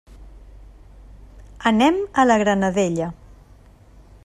Anem a la Granadella.